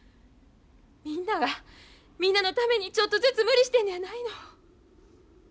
みんながみんなのためにちょっとずつ無理してんのやないの。